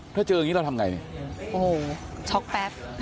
ถ้าเจออย่างนี้เราทำไงเนี่ยโอ้โหช็อกแป๊บ